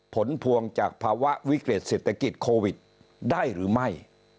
ผลพวงจากภาวะวิกฤตเศรษฐกิจโควิดได้หรือไม่